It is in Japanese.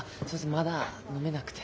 まだ飲めなくて。